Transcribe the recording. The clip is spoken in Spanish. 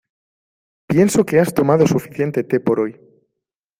Pienso que has tomado suficiente té por hoy.